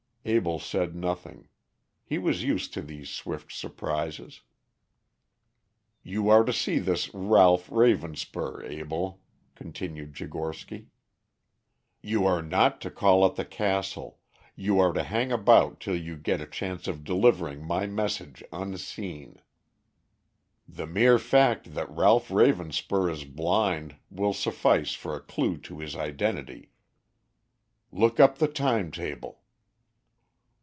Abell said nothing. He was used to these swift surprises. "You are to see this Ralph Ravenspur, Abell," continued Tchigorsky. "You are not to call at the castle; you are to hang about till you get a chance of delivering my message unseen. The mere fact that Ralph Ravenspur is blind will suffice for a clue to his identity. Look up the time table!"